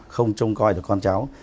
không trông coi được con cháu